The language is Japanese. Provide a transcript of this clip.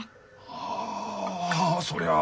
はあそりゃあ。